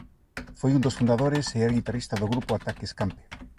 Foi un dos fundadores e é guitarrista do grupo Ataque Escampe.